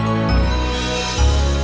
lalu kenapa dia